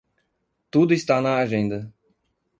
Tudo está na agenda.